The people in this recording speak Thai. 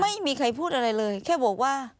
ไม่มีใครพูดอะไรเลยแค่บอกว่า